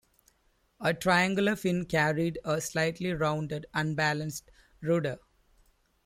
A triangular fin carried a slightly rounded, unbalanced rudder.